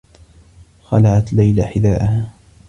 خلعت ليلى حذاءها.